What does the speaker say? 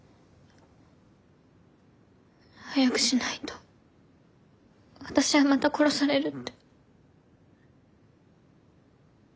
早くしないと私はまた殺されるって。